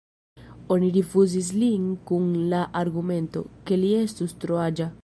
Oni rifuzis lin kun la argumento, ke li estus tro aĝa.